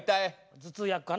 頭痛薬かな？